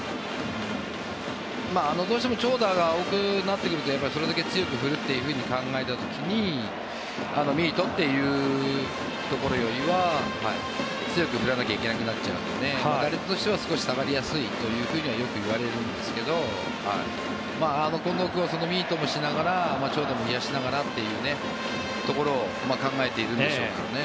どうしても長打が多くなってくるとそれだけ強く振ると考えた時にミートというところよりは強く振らなきゃいけなくなっちゃうので打率としては少し下がりやすいとよく言われるんですが近藤君はミートもしながら長打も増やしながらというところを考えているんでしょうからね。